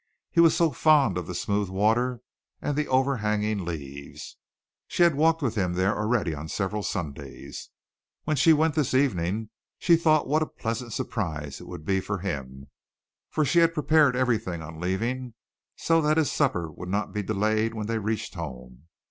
He was so fond of the smooth water and the overhanging leaves! She had walked with him there already on several Sundays. When she went this evening she thought what a pleasant surprise it would be for him, for she had prepared everything on leaving so that his supper would not be delayed when they reached home.